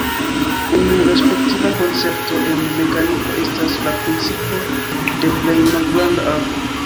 Unu respektiva koncepto en mekaniko estas la principo de plej malgranda ago.